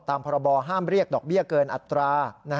ตามข้อมูลประบอบห้ามเรียกดอกเบี้ยเกินอัตรา